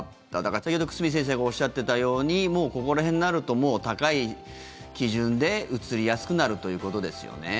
先ほど久住先生がおっしゃってたようにもうここら辺になると高い基準でうつりやすくなるということですよね。